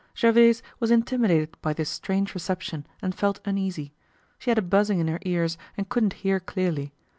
Gervaise was intimidated by this strange reception and felt uneasy. She had a buzzing in her ears and couldn't hear clearly.